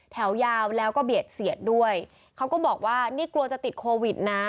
แถวยาวแล้วก็เบียดเสียดด้วยเขาก็บอกว่านี่กลัวจะติดโควิดนะ